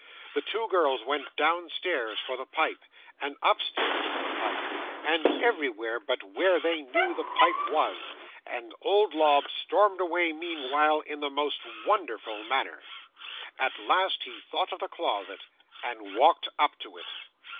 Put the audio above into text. The two girls went downstairs for the pipe, and upstairs for the pipe, and everywhere but where they knew the pipe was, and old Lobbs stormed away meanwhile, in the most wonderful manner. At last he thought of the closet, and walked up to it.